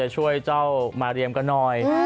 ช่วยเจ้ามาเรียมกันหน่อย